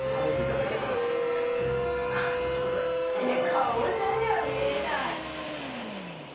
かぼちゃには見えない。